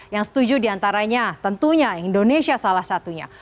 yang setuju diantaranya tentunya indonesia salah satunya